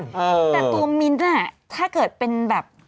แต่ตัวมิ้นถ้าเกิดเป็นแบบ